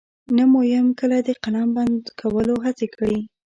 نه مو يې کله د قلم بند کولو هڅه کړې.